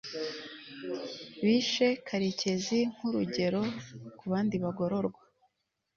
bishe karekezi nk'urugero kubandi bagororwa